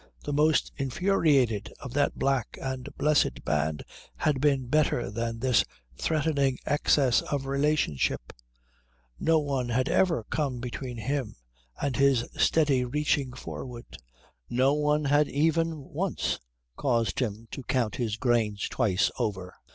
The most infuriated of that black and blessed band had been better than this threatening excess of relationship. Not one had ever come between him and his steady reaching forward. Not one had even once caused him to count his grains twice over.